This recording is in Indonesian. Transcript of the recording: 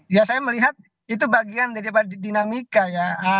ya saya melihat itu bagian daripada dinamika ya